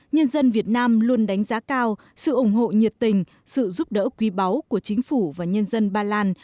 nhân dân việt nam luôn đánh giá cao sự ủng hộ nhiệt tình sự giúp đỡ quý báu của chính phủ và nhân dân ba lan